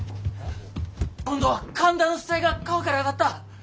今度は神田の死体が川からあがった！